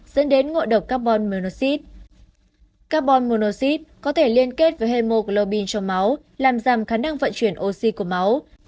carbon monoxid có thể liên kết với hemoglobin trong máu làm giảm khả năng vận chuyển oxy của máu